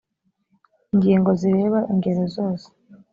ingingo zireba inzego zose